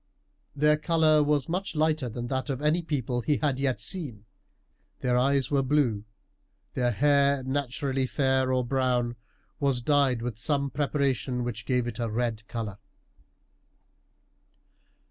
Their colour was much lighter than that of any people he had yet seen. Their eyes were blue, their hair, naturally fair or brown, was dyed with some preparation which gave it a red colour.